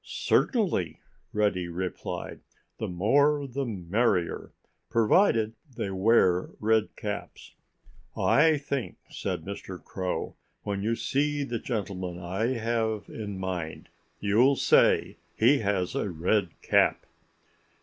"Certainly!" Reddy replied. "The more the merrier—provided they wear red caps." "I think," said Mr. Crow, "when you see the gentleman I have in mind you'll say he has a red cap."